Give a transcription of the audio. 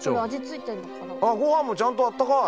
あっごはんもちゃんとあったかい。